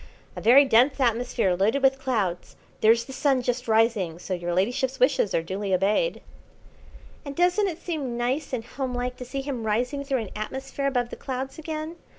"A very dense atmosphere loaded with clouds. There's the Sun just rising, so your ladyship's wishes are duly obeyed." "And doesn't it seem nice and homelike to see him rising through an atmosphere above the clouds again?